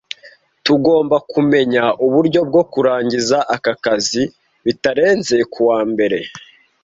Tugomba kumenya uburyo bwo kurangiza aka kazi bitarenze kuwa mbere.